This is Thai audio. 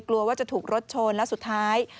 กลัวว่าจะถูกรถชนและสุดท้าย